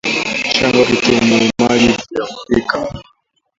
Chagua kitunguu maji vya kupikia